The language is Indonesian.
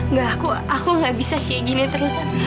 nggak aku nggak bisa kayak gini terus san